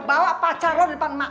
bawa pacar lo depan mak